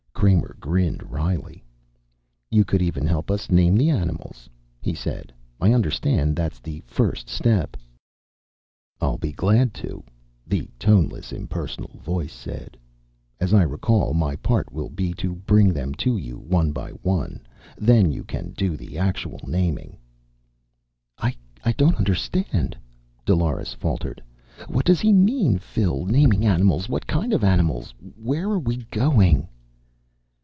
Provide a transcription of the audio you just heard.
Kramer grinned wryly. "You could even help us name the animals," he said. "I understand that's the first step." "I'll be glad to," the toneless, impersonal voice said. "As I recall, my part will be to bring them to you, one by one. Then you can do the actual naming." "I don't understand," Dolores faltered. "What does he mean, Phil? Naming animals. What kind of animals? Where are we going?"